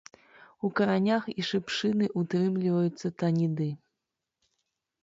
У каранях і шыпшыны ўтрымліваюцца таніды.